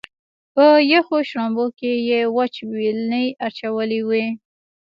په یخو شړومبو کې یې وچ وېلنی اچولی وي.